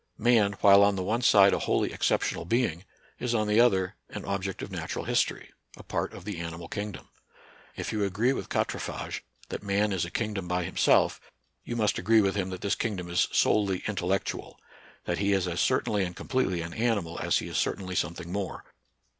Man, while on the one side a wholly exceptional being, is on the other an object of natural his tory, — a part of the animal kingdom. If you agree with Quatrefages that man is a kingdom by himself, you must agree with him that this kingdom is solely intellectual ; that he is as cer tainly and completely an animal as he is cer tainly something more.